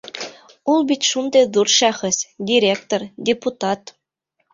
Ул бит шундай ҙур шәхес, директор, депутат.